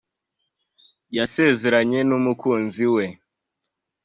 yasezeranye n’umukunzi we